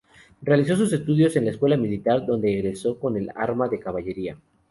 Realizó sus estudios en la Escuela Militar, donde egresó con el arma de Caballería.